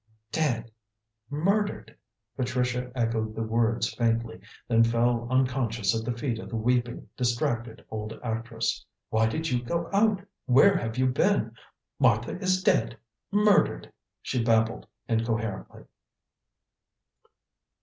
"Dead! Murdered!" Patricia echoed the words faintly, then fell unconscious at the feet of the weeping, distracted old actress. "Why did you go out? Where have you been? Martha is dead murdered!" she babbled incoherently.